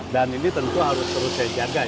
dan ini tentu harus terus saya jaga ya